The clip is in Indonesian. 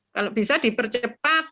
kalau bisa dipercepat